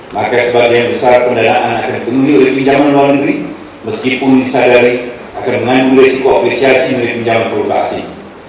maka sebagian besar pendanaan akan dipenuhi oleh pinjaman luar negeri meskipun disadari akan mengambil risiko apresiasi dari pinjaman produksi